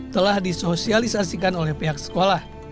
telah disosialisasikan oleh pihak sekolah